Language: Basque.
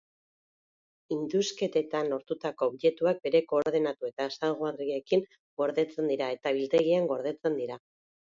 Indusketetan lortutako objektuak bere koordenatu eta ezaugarriekin gordetzen dira eta biltegian gordetzen dira.